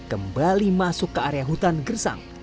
termasuk ke area hutan gersang